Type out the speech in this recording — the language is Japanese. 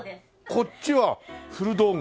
こっちは古道具？